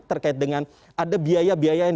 terkait dengan ada biaya biaya yang